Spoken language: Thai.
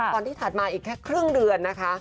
ตอนที่ถัดมาอีกแค่ครึ่งเดือนนะคะ